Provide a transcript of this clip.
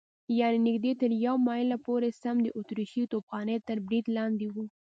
یعنې نږدې تر یوه مایل پورې سم د اتریشۍ توپخانې تر برید لاندې و.